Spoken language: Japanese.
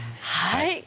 はい。